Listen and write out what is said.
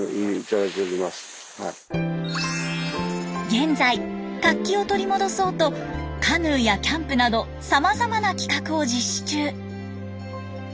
現在活気を取り戻そうとカヌーやキャンプなどさまざまな企画を実施中。